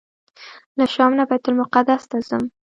له شام نه بیت المقدس ته ځم.